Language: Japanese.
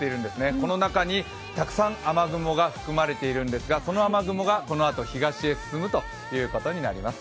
この中にたくさん雨雲が含まれているんですが、その雨雲がこのあと東へ進むことになります。